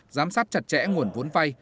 giám sát chặt chẽ nguồn vốn vai